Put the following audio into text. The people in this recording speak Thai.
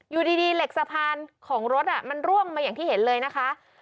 อยู่ดีเหล็กสะพานของรถมันร่วงมาอย่างที่เห็นเลยนะคะ